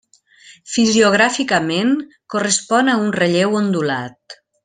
Fisiogràficament, correspon a un relleu ondulat.